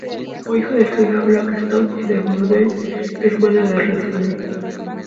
Fue hijo del jefe "Black Stone" y de "Blue Day", hermana de Red Cloud.